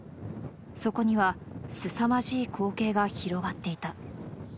そこにはすさまじい光景が広がっていた。